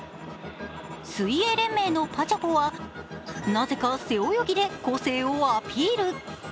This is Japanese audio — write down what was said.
水泳連盟のぱちゃぽはなぜか背泳ぎで攻勢をアピール。